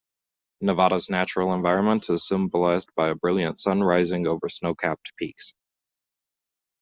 Nevada's natural environment is symbolized by a brilliant sun rising over snow-capped peaks.